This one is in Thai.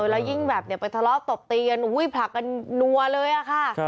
แล้วยิ่งแบบไปทะเลาะตบตีกันผลักกันนัวเลยอะค่ะ